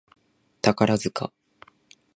宝塚